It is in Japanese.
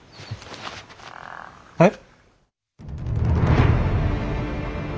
はい？